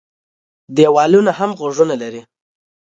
ـ دیوالونه هم غوږونه لري.